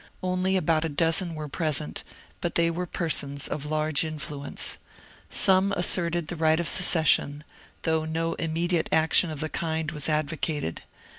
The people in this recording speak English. Only about a dozen were pre sent, but they were persons of large influence. Some asserted the right of secession, though no immediate action of the kind was advocated.